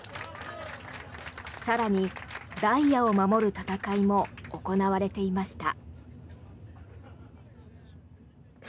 更に、ダイヤを守る戦いも行われていました。